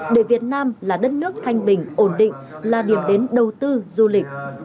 để việt nam là đất nước thanh bình ổn định là điểm đến đầu tư du lịch